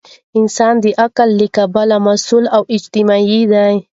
انسان د عقل له کبله مسؤل او اجتماعي دی.